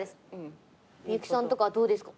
幸さんとかどうですか？